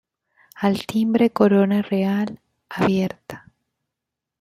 Al timbre corona real, abierta.